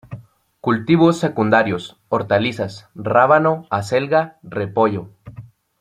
Cultivos secundarios: Hortalizas: rábano, acelga, repollo.